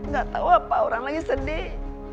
gak tau apa orang lagi sedih